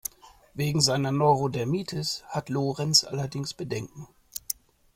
Wegen seiner Neurodermitis hat Lorenz allerdings Bedenken.